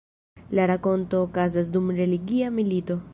La rakonto okazas dum religia milito.